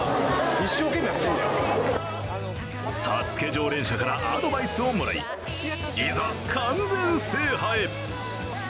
常連者からアドバイスをもらいいざ、完全制覇へ。